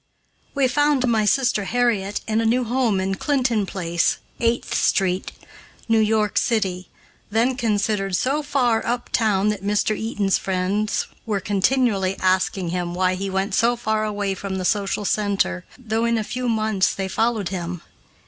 We found my sister Harriet in a new home in Clinton Place (Eighth Street), New York city, then considered so far up town that Mr. Eaton's friends were continually asking him why he went so far away from the social center, though in a few months they followed him.